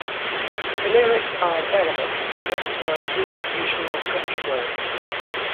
The lyrics are in Arabic except for a few occasional French words.